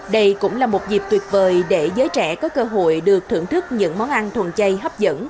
đây cũng là một dịp tuyệt vời để giới trẻ có cơ hội được thưởng thức những món ăn thuần chay hấp dẫn